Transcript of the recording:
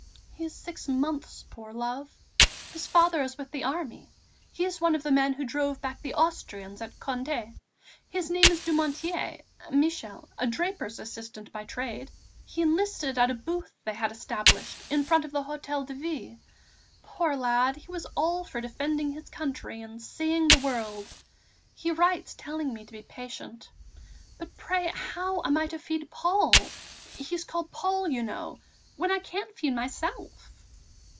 "He is six months, poor love!... His father is with the army; he is one of the men who drove back the Austrians at Condé. His name is Dumonteil (Michel), a draper's assistant by trade. He enlisted at a booth they had established in front of the Hôtel de Ville. Poor lad, he was all for defending his country and seeing the world.... He writes telling me to be patient. But pray, how am I to feed Paul (he's called Paul, you know) when I can't feed myself?"